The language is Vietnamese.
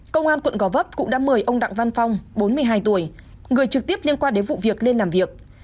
công an quận gò vấp cũng đã mời ông đặng văn phong bốn mươi hai tuổi người trực tiếp liên quan đến vụ việc lên làm việc